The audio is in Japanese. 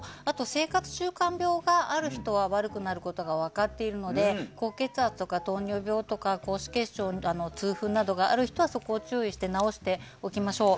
生活習慣病がある人は悪くなることが分かっているので、高血圧とか糖尿病とか痛風などがある人はそこを注意して治しておきましょう。